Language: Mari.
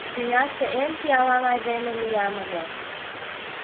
Тӱняште эн пиалан айдеме лиям ыле.